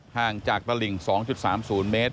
ห่างจากตลิ่ง๒๓๐เมตร